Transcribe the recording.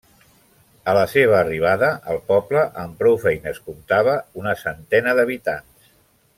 A la seva arribada, el poble amb prou feines comptava una centena d'habitants.